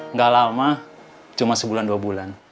nggak lama cuma sebulan dua bulan